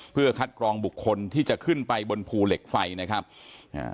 เพื่อคัดกรองบุคคลที่จะขึ้นไปบนภูเหล็กไฟนะครับอ่า